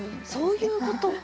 そういうことか！